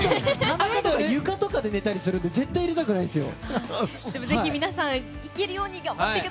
床とかで寝たりするので絶対に入れたくないんですよ。